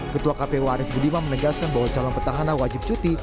ketua kpu arief budiman menegaskan bahwa calon petahana wajib cuti